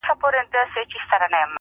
څوك به نيسي د ديدن د ګودر لاري-